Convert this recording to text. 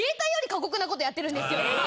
なことやってるんですよ。